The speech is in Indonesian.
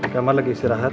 kamar lagi istirahat